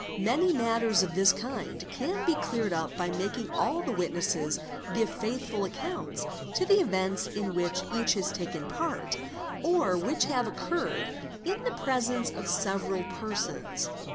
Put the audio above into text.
Many matters of this kind can be cleared up by making all the witnesses give faithful accounts of the events in which each has 4 taken part, or which have occurred in the presence of several persons.